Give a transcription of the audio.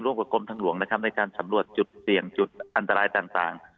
กับกรมทางหลวงนะครับในการสำรวจจุดเสี่ยงจุดอันตรายต่าง